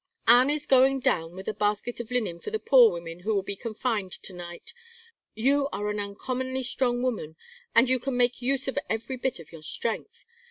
Anne is going down with a basket of linen for the poor women who will be confined to night. You are an uncommonly strong woman, and you can make use of every bit of your strength.